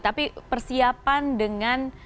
tapi persiapan dengan